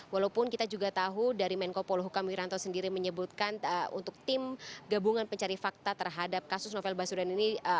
walaupun kita juga tahu dari menko polhukam wiranto sendiri menyebutkan untuk tim gabungan pencari fakta terhadap kasus novel baswedan ini